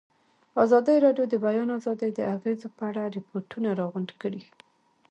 ازادي راډیو د د بیان آزادي د اغېزو په اړه ریپوټونه راغونډ کړي.